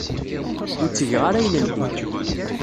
Ur ttgeɣ ara ayen n dir.